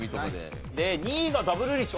で２位がダブルリーチ。